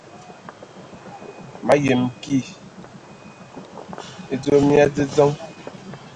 Ma yəm kig edzom mia dzədzəŋ.